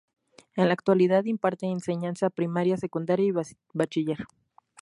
En la actualidad imparte enseñanza primaria, secundaria y bachiller.